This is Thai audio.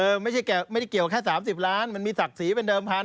เออไม่ใช่แกะแค่๓๐ล้านมันมีศักดิ์สีเป็นเดิมทัน